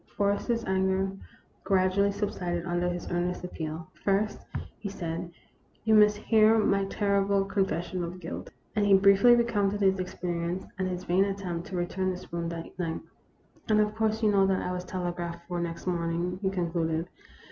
Forrester's anger gradually subsided under this earnest appeal. " First," he said, " you must hear my terrible confession of guilt" And he briefly 200 THE ROMANCE OF A SPOON. recounted his experience, and his vain attempt to return the spoon that night. " And, of course, you know that I was telegraphed for next morning," he concluded.